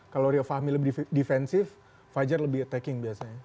kalau rio fahmi lebih defensif fajar lebih attacking biasanya